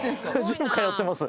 ジム通ってます